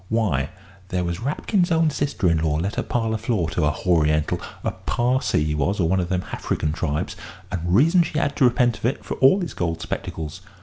Why, there was Rapkin's own sister in law let her parlour floor to a Horiental a Parsee he was, or one o' them Hafrican tribes and reason she 'ad to repent of it, for all his gold spectacles!